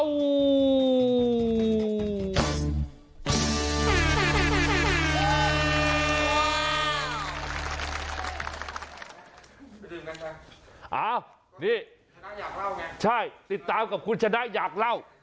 อ้าวนี่ใช่ติดตามกับคุณชนะอยากเล่า